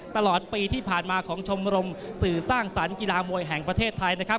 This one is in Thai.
ตลอดปีที่ผ่านมาของชมรมสื่อสร้างสรรค์กีฬามวยแห่งประเทศไทยนะครับ